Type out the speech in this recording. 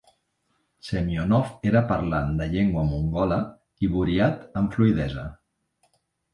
Semyonov era parlant de llengua mongola i buriat amb fluïdesa.